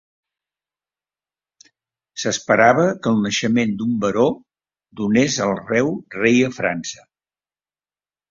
S'esperava que el naixement d'un baró donés el reu rei a França.